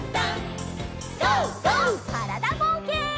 からだぼうけん。